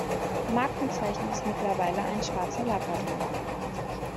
Markenzeichen ist mittlerweile ein schwarzer Labrador.